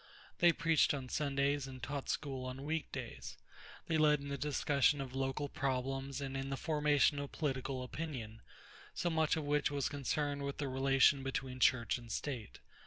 They preached on Sundays and taught school on week days. They led in the discussion of local problems and in the formation of political opinion, so much of which was concerned with the relation between church and state.